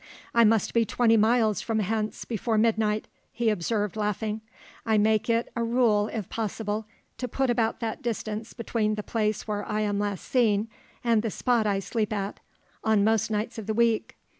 "I must be twenty miles from hence before midnight," he observed, laughing. "I make it a rule if possible to put about that distance between the place where I am last seen, and the spot I sleep at, on most nights of the week.